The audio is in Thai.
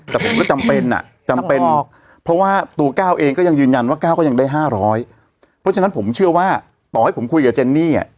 แต่ผมก็จำเป็นอ่ะจำเป็นเพราะว่าตัวก้าวเองก็ยังยืนยันว่าก้าวก็ยังได้๕๐๐เพราะฉะนั้นผมเชื่อว่าต่อให้ผมคุยกับเจนนี่อ่ะ